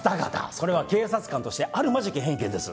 それは警察官としてあるまじき偏見です。